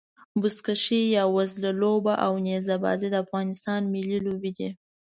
بزکشي يا وزلوبه او نيزه بازي د افغانستان ملي لوبي دي.